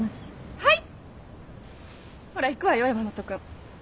はい。